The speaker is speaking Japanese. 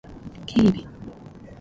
警備